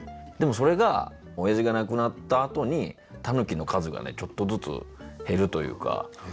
でもそれがおやじが亡くなったあとにタヌキの数がねちょっとずつ減るというか。